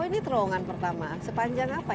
ini termasuk kawasan gopark